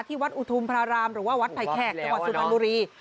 ที่วัดอุทุมพระรามหรือว่าวัดภัยแขกตะวัดสุภัณฑ์บุรี